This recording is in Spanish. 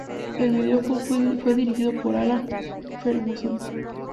El vídeo fue dirigido Alan Ferguson.